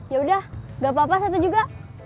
yaudah gak apa apa satu juga